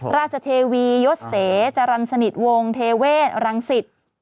ราชเทวียศเสจารันสนิทวงศ์เทเวศรังสิทธิ์